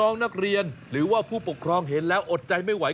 น้องนักเรียนหรือว่าผู้ปกครองเห็นแล้วอดใจไม่ไหว